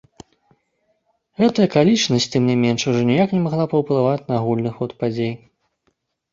Гэтая акалічнасць, тым не менш, ужо ніяк не магла паўплываць на агульны ход падзей.